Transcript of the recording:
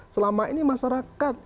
selama ini masyarakat